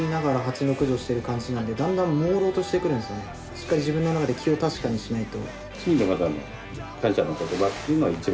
しっかり自分の中で気を確かにしないと。